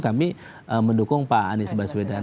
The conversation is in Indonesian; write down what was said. kami mendukung pak anies baswedan